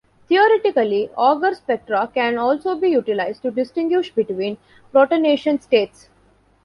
Theoretically, Auger spectra can also be utilized to distinguish between protonation states.